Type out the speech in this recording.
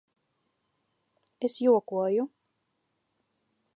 Es jokoju.